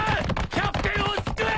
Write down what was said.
キャプテンを救え！